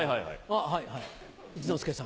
あっはいはい一之輔さん。